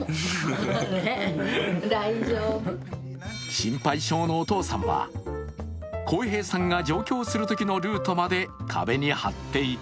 心配性のお父さんは、幸平さんが状況するときのルートまで壁に貼っていた。